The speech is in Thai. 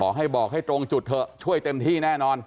ให้บอกให้ตรงจุดเถอะช่วยเต็มที่แน่นอน